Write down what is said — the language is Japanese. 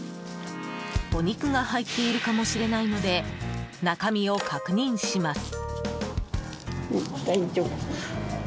お肉が入っているかもしれないので中身を確認します。